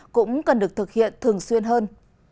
cũng cần được thực hiện thường xuyên hơn